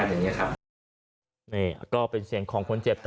และยืนยันเหมือนกันว่าจะดำเนินคดีอย่างถึงที่สุดนะครับ